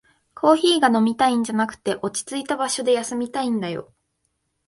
コーヒーが飲みたいんじゃなくて、落ちついた場所で休みたいんだよ